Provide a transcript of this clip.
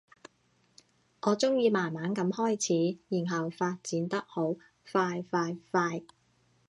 我鍾意慢慢噉開始，然後發展得好快快快